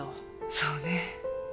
そうね。